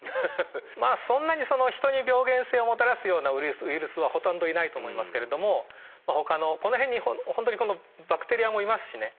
まあそんなにヒトに病原性をもたらすようなウイルスはほとんどいないと思いますけれどもこの辺にほんとにバクテリアもいますしね。